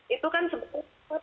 itu kan sebetulnya